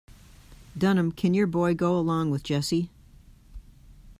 Dunham, can your boy go along with Jesse.